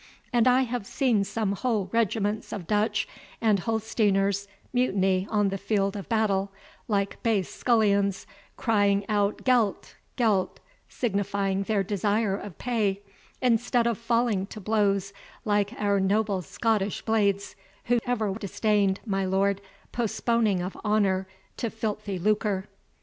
And I have seen some whole regiments of Dutch and Holsteiners mutiny on the field of battle, like base scullions, crying out Gelt, gelt, signifying their desire of pay, instead of falling to blows like our noble Scottish blades, who ever disdained, my lord, postponing of honour to filthy lucre."